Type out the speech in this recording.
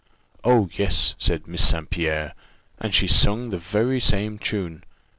'Oh, yes,' said Miss St. Pierre; and she sung the very same tune.